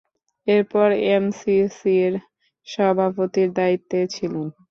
এরপর এমসিসির সভাপতির দায়িত্বে ছিলেন।